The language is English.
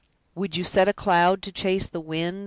"Would you set a cloud to chase the wind?"